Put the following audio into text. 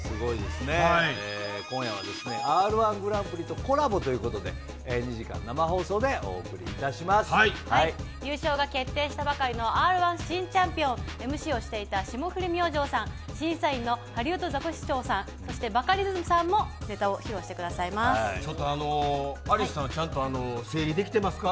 今夜はＲ−１グランプリとコラボということで２時間、生放送で優勝が決定したばかりのＲ−１新チャンピオンＭＣをしていた霜降り明星さん審査員のハリウッドザコシショウさんバカリズムさんもちょっとアリスさん整理できてますか。